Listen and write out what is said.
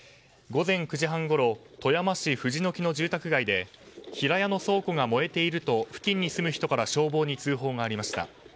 午前９時半ごろ富山市藤木の住宅街で平屋の倉庫が燃えていると付近に住む人から消防に通報がありました。